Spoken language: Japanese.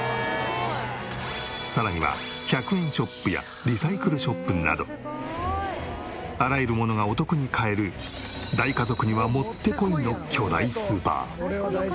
さらには１００円ショップやリサイクルショップなどあらゆるものがお得に買える大家族にはもってこいの巨大スーパー。